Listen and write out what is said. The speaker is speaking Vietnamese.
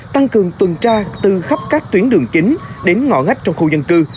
tăng cường tuần tra từ khắp các tuyến đường chính đến ngõ ngách trong khu dân cư